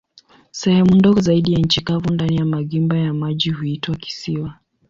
Sehemu ndogo zaidi za nchi kavu ndani ya magimba ya maji huitwa kisiwa.